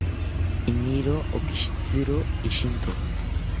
Iniro okishitziro ishinto